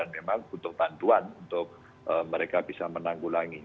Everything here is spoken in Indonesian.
memang butuh bantuan untuk mereka bisa menanggulangi